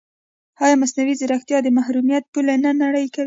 ایا مصنوعي ځیرکتیا د محرمیت پولې نه نری کوي؟